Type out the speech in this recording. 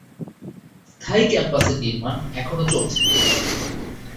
স্থায়ী ক্যাম্পাসের নির্মাণ এখনও চলছে।